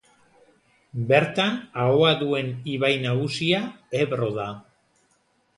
Bertan ahoa duen ibai nagusia Ebro da.